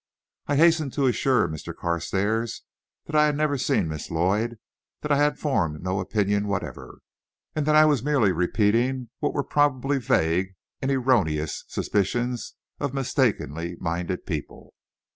I hastened to assure Mr. Carstairs that I had never seen Miss Lloyd, that I had formed no opinions whatever, and that I was merely repeating what were probably vague and erroneous suspicions of mistakenly minded people.